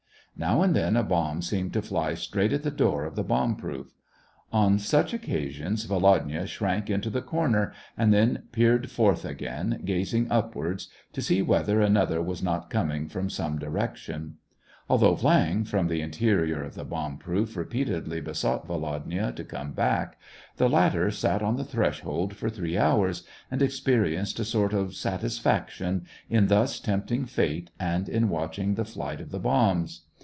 Now and then, a bomb seemed to fly straight at the door of the bomb proof. On such occa sions, Volodya shrank into the corner, and then peered forth again, gazing upwards, to see whether another was not coming from some direc tion. Although Viang, from the interior of the bomb proof, repeatedly besought Volodya to come back, the latter sat on the threshold for three hours, and experienced a sort of satisfaction in 236 SEVASTOPOL IN AUGUST. thus tempting fate and in watching the flight of the bombs.